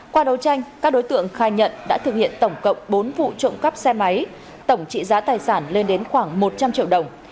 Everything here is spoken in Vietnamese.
qua đấu tranh các đối tượng khai nhận đã thực hiện tổng cộng bốn vụ trộm cắp xe máy tổng trị giá tài sản lên đến khoảng một trăm linh triệu đồng